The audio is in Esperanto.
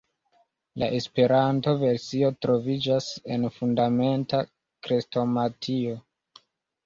La Esperanto-versio troviĝas en Fundamenta Krestomatio.